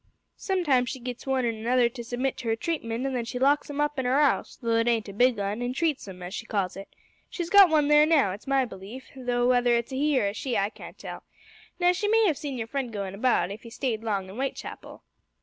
Sometimes she gits one an' another to submit to her treatment, an' then she locks 'em up in 'er 'ouse though it ain't a big un an' treats 'em, as she calls it. She's got one there now, it's my belief, though w'ether it's a he or a she I can't tell. Now, she may 'ave seen your friend goin' about if 'e stayed long in Whitechapel."